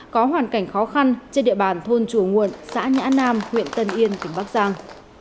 có hoàn cảnh khó khăn trên địa bàn thôn chùa muộn xã nhã nam huyện tân yên tỉnh bắc giang